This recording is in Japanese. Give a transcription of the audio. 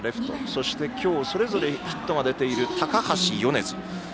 そして今日それぞれヒットが出ている高橋、米津。